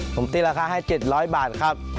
ผมตีราคาให้๗๐๐บาทครับ